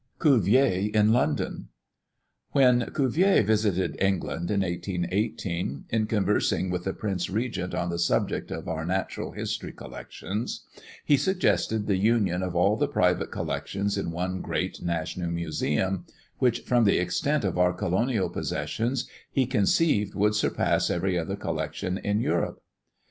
CUVIER IN LONDON. When Cuvier visited England, in 1818, in conversing with the Prince Regent on the subject of our Natural History Collections, he suggested the union of all the private collections in one great national museum, which, from the extent of our colonial possessions, he conceived would surpass every other collection in Europe.